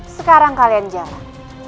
sekarang kalian jalan